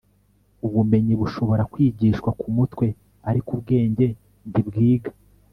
ubumenyi bushobora kwigishwa ku mutwe, ariko ubwenge ntibwiga